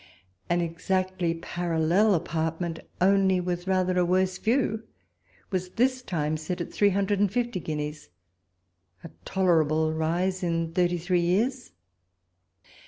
An exactly parallel apartment, only with rather a worse view, was this time set at three hundred and fifty guineas — a tolerable rise in thirty three years